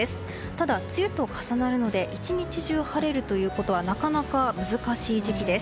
ただ梅雨と重なるので１日中晴れるということはなかなか難しい時期です。